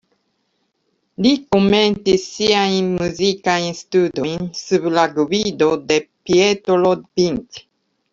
Li komencis siajn muzikajn studojn sub la gvido de Pietro Vinci.